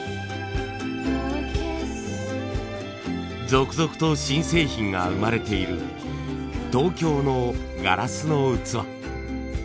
続々と新製品が生まれている東京のガラスの器。